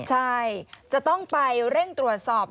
ใช่จะต้องไปเร่งตรวจสอบ